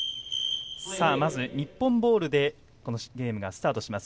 まず日本ボールでゲームがスタートします。